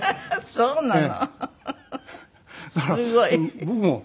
そうなの？